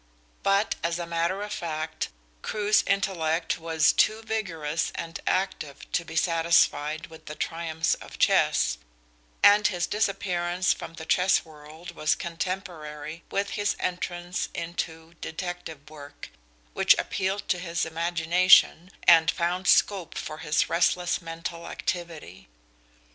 But, as a matter of fact, Crewe's intellect was too vigorous and active to be satisfied with the triumphs of chess, and his disappearance from the chess world was contemporary with his entrance into detective work, which appealed to his imagination and found scope for his restless mental activity.